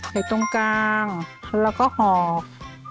อยู่ตรงกลางแล้วก็หอก